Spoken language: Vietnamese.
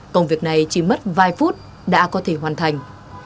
công việc này chỉ mất vài phút đã có thể hoàn thành